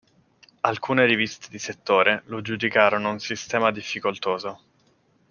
Alcune riviste di settore lo giudicarono un sistema difficoltoso.